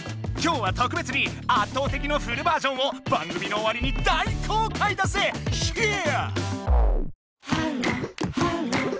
今日は特別に「圧倒的」のフルバージョンを番組のおわりに大公かいだぜ！